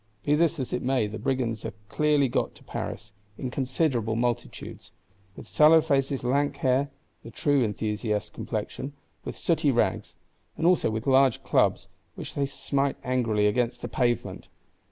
Be this as it may, the Brigands are clearly got to Paris, in considerable multitudes: with sallow faces, lank hair (the true enthusiast complexion), with sooty rags; and also with large clubs, which they smite angrily against the pavement!